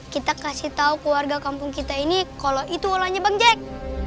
kita kasih tau ke warga kampung kita ini kalau itu walaunya bang jack